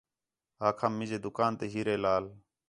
آکھام مینجے دُکان تے ہیرے لال